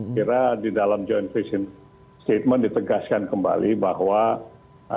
kira di dalam joint vision statement ditegaskan kembali bahwa